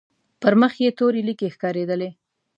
پر مخ يې تورې ليکې ښکارېدلې.